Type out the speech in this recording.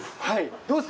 どうですか？